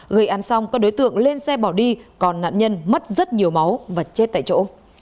gây án xong các đối tượng lên xe bỏ đi còn nạn nhân mất rất nhiều máu và chết tại chỗ